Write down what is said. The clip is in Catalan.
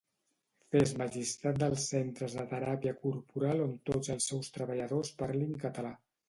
Fes-me llistat dels Centres de Teràpia Corporal on tots els seus treballadors parlin català